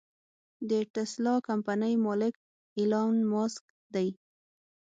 د ټسلا کمپنۍ مالک ايلام مسک دې.